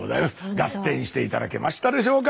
ガッテンして頂けましたでしょうか？